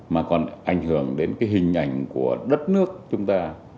mà còn ảnh hưởng đến cái hình ảnh của đất nước chúng ta